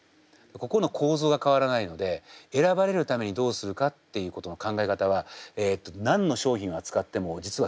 ここの構造が変わらないので選ばれるためにどうするかっていうことの考え方は何の商品を扱っても実は共通なんです。